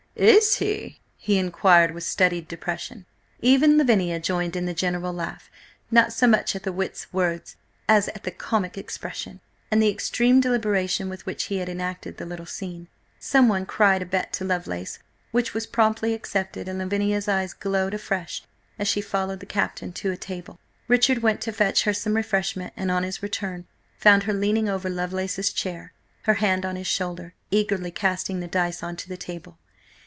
"Is he?" he inquired with studied depression. Even Lavinia joined in the general laugh, not so much at the wit's words as at his comic expression, and the extreme deliberation with which he had enacted the little scene. Someone cried a bet to Lovelace, which was promptly accepted, and Lavinia's eyes glowed afresh as she followed the Captain to a table. Richard went to fetch her some refreshment, and on his return, found her leaning over Lovelace's chair, her hand on his shoulder, eagerly casting the dice on to the table.